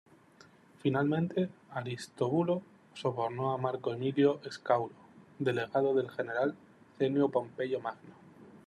Finalmente, Aristóbulo sobornó a Marco Emilio Escauro, delegado del general Cneo Pompeyo Magno.